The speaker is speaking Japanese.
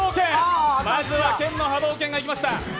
まずはケンの波動拳がいきました。